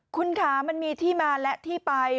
คุณคะมันมีที่มาและที่ไป